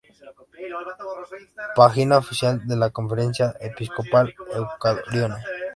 Página oficial de la Conferencia Episcopal Ecuatoriana